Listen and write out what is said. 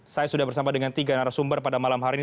saya sudah bersama dengan tiga narasumber pada malam hari ini